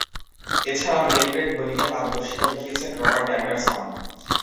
এছাড়াও leg break বোলিংয়ে পারদর্শিতা দেখিয়েছেন রবার্ট অ্যান্ডারসন।